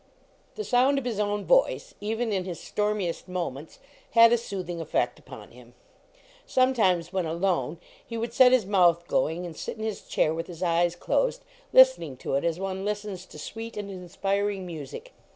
The sound of his own voice, even in his stormiest moments, had a soothing effect upon him. Sometimes, when alone, he would set his mouth going, and sit in his chair with his eyes closed, listening to it, as one listens to sweet and inspiring music.